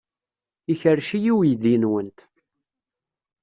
Ikerrec-iyi uydi-nwent.